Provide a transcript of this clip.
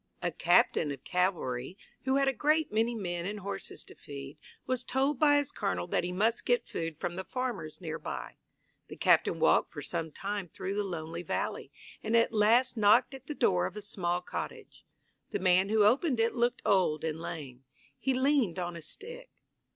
A captain of cavalry, who had a great many men and horses to feed, was told by his colonel that he must get food from the farmers near by. The captain walked for some time through the lonely valley, and at last knocked at the door of a small cottage. The man who opened it looked old and lame. He leaned on a stick.